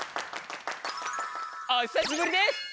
お久しぶりです！